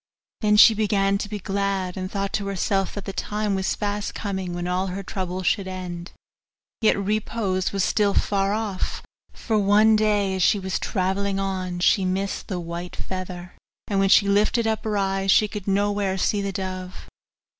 Then she began to be glad, and thought to herself that the time was fast coming when all her troubles should end; yet repose was still far off, for one day as she was travelling on she missed the white feather, and when she lifted up her eyes she could nowhere see the dove.